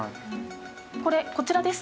これこちらです。